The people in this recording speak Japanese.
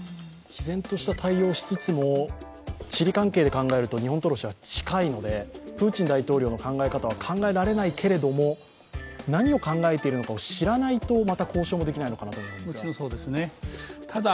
毅然とした対応をしつつも地理関係を考えると日本とロシアは近いのでプーチン大統領の考え方は考えられないけれども何を考えているのかを知らないと、また交渉できないと思いますが？